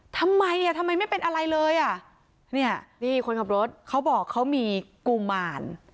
ทำไมอ่ะทำไมไม่เป็นอะไรเลยอ่ะเนี่ยนี่คนขับรถเขาบอกเขามีกุมาร